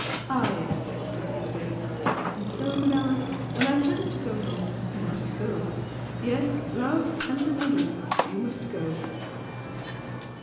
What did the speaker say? I expect to be obeyed! and so, Manella, when I tell you to go home, you must go! Yes! love, tempers and all! you must go!"